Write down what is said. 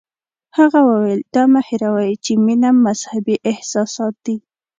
هغه وویل دا مه هیروئ چې مینه مذهبي احساسات دي.